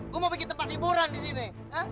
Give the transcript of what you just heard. gue mau bikin tempat hiburan di sini